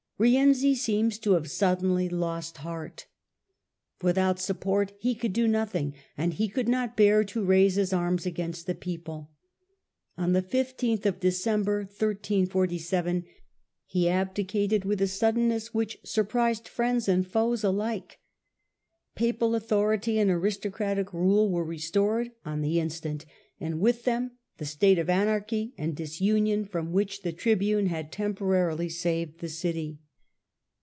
Rienzi seems to have suddenly lost heart. Without support he could do nothmg and he could not bear to raise his arms aerainst the people. On 15th December he abdicated Abdication . of E iciizi with a suddenness which surprised friends and foes 15th Dec! alike. Papal authority and aristocratic rule were re stored on the instant, and with them the state of anarchy and disunion from which the Tribune had temporarily saved the city.